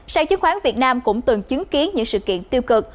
sàn chứng khoán việt nam cũng từng chứng kiến những sự kiện tiêu cực